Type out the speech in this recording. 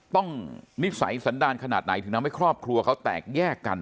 นิสัยสันดาลขนาดไหนถึงทำให้ครอบครัวเขาแตกแยกกัน